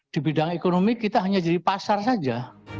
di bidang ekonomi kita hanya jadi pasar saja